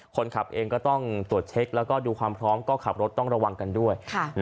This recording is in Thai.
คนขับเองก็ต้องตรวจเช็คแล้วก็ดูความพร้อมก็ขับรถต้องระวังกันด้วย